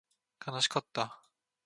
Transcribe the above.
悲しかった